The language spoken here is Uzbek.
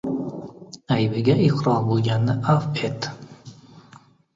• Aybiga iqror bo‘lganni avf et.